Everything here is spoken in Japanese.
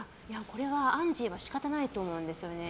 これはアンジーは仕方ないと思うんですよね。